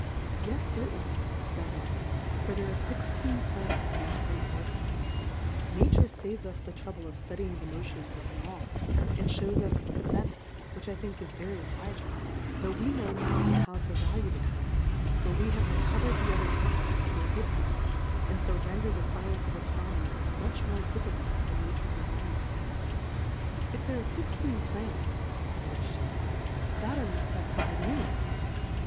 Yes certainly, fays /, for there are fixteen Planets in this great Vortex : Nature faves us the trouble of ftudying^ the Motions of 'em all, and fliows US' but Seven, which I think is very ob liging, tho' we know not how to va lue the Kindnefs, for we have reco verM the other Nine which were hid^ from us, and fo render the Science of Aitronomy much more Difficult than Nature defign'd it. If there are fixteen VhnetSy fays JI;e^ Saturn muft have five Moons.